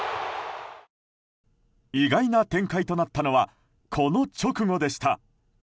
意外な展開となったのはこの直後でした。